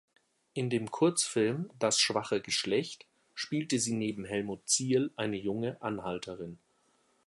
In dem Kurzfilm "Das schwache Geschlecht" spielte sie neben Helmut Zierl eine junge Anhalterin.